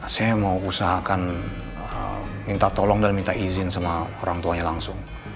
saya mau usahakan minta tolong dan minta izin sama orang tuanya langsung